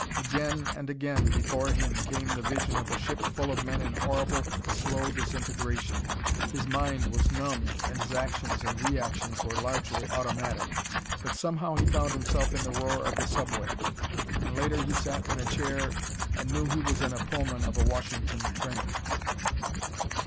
Again and again, before him, came the vision of a ship full of men in horrible, slow disintegration; his mind was numbed and his actions and reactions were largely automatic. But somehow he found himself in the roar of the subway, and later he sat in a chair and knew he was in a Pullman of a Washington train.